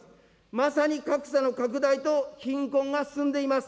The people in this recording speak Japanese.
まさに格差の拡大と貧困が進んでいます。